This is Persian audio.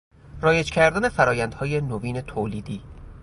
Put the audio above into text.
رایج کردن فرآیندهای نوین تولیدی